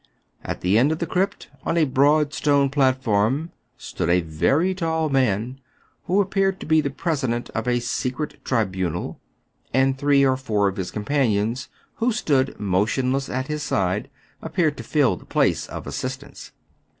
At the end of the crypt, on a broad stone plat form, stood a very tall man, who appeared to be the president of a secret tribunal ; and three or four of his companions, who stood motionless at his side, appeared to fill the place of assistants.